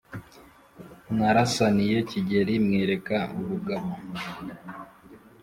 narasaniye kigeli mwereka ubugabo.